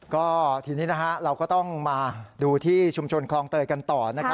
ก็ทีนี้เราก็ต้องมาดูที่ชุมชนคลองเตยกันต่อ